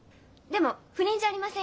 でも不倫じゃありませんよ。